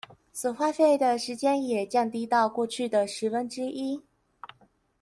所花費的時間也降低到過去的十分之一